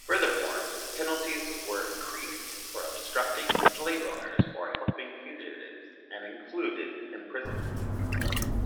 Furthermore, penalties were increased for obstructing slave owners or helping fugitives, and included imprisonment.